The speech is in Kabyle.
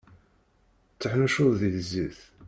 Tteḥnuccuḍ di zzit.